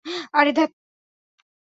আরে, ধ্যাত!